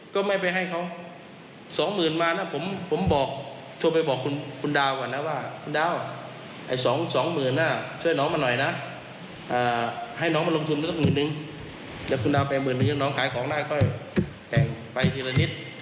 เดี๋ยวคุณดาวแปลงหมื่นหนึ่งน้องขายของได้ค่อยแปลงไปทีละนิด